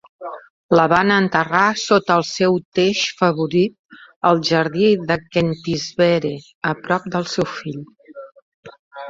La van enterrar sota el seu teix favorit al jardí de Kentisbeare, a prop del seu fill.